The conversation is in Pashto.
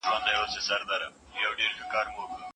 په ناحقه مال مه ګټئ.